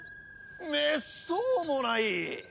めっそうもない！